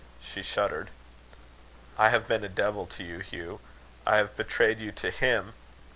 She shuddered. "I have been a devil to you, Hugh; I have betrayed you to him.